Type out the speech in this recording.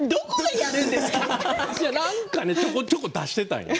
なんかちょこちょこ出してたんよ。